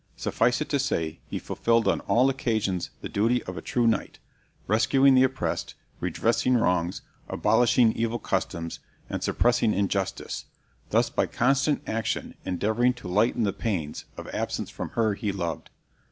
Suffice it to say, he fulfilled on all occasions the duty of a true knight, rescuing the oppressed, redressing wrongs, abolishing evil customs, and suppressing injustice, thus by constant action endeavoring to lighten the pains of absence from her he loved.